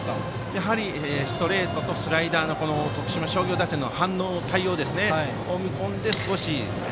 やはり、ストレートとスライダーへの徳島商業打線の対応を見込んでですね。